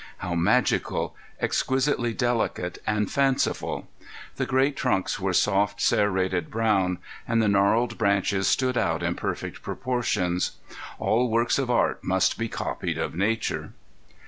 How magical, exquisitely delicate and fanciful! The great trunks were soft serrated brown, and the gnarled branches stood out in perfect proportions. All works of art must be copied of nature.